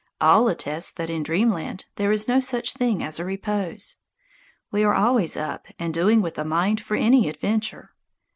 All attest that in Dreamland there is no such thing as repose. We are always up and doing with a mind for any adventure.